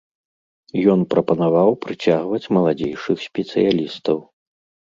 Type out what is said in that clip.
Ён прапанаваў прыцягваць маладзейшых спецыялістаў.